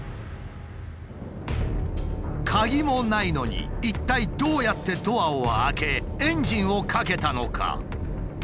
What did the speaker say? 鍵もないのに一体どうやってドアを開けエンジンをかけたのか？